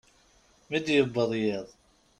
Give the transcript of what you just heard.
Mi d-yewweḍ yiḍ.